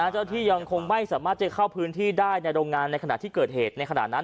ที่ยังคงไม่สามารถจะเข้าพื้นที่ได้ในโรงงานในขณะที่เกิดเหตุในขณะนั้น